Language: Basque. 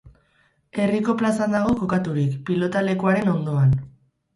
Herriko plazan dago kokaturik, pilotalekuaren ondoan.